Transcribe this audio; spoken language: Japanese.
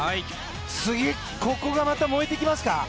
次、ここがまた燃えてきますか。